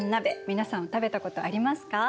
皆さん食べたことありますか？